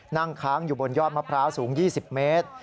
นั่งค้างอยู่บนยอดมะพร้าวสูง๒๐เมตร